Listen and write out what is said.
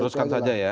meneruskan saja ya